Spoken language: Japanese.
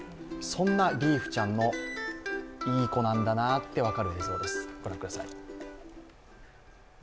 そんなリーフちゃんの、いい子なんだなって分かる映像です。